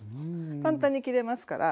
簡単に切れますから。